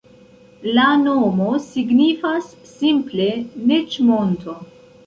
La nomo signifas simple Neĝ-monto.